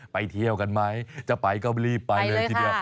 ไปเที่ยวกันไหมจะไปก็รีบไปเลยทีเดียว